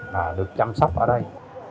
và được chăm sóc ở đây